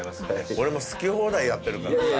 俺も好き放題やってるからさ。